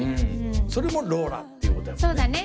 それもローラっていうことやもんね。